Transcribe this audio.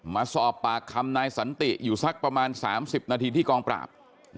มาสอบปากคำนายสันติอยู่สักประมาณ๓๐นาทีที่กองปราบ